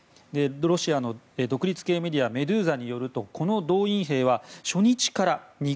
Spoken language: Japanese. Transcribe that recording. ロシアの独立系メディアメドゥーザによるとこの動員兵は初日から、肉。